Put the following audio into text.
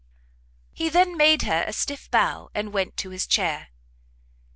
He then made her a stiff bow, and went to his chair.